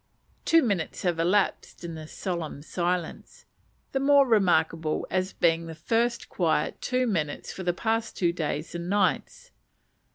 Two minutes have elapsed in this solemn silence; the more remarkable as being the first quiet two minutes for the last two days and nights.